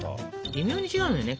微妙に違うのよね。